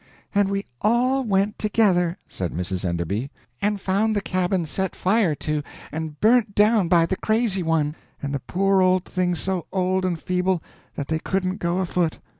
"And we all went together," said Mrs. Enderby. "And found the cabin set fire to and burnt down by the crazy one, and the poor old things so old and feeble that they couldn't go afoot.